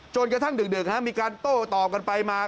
กระทั่งดึกมีการโต้ตอบกันไปมา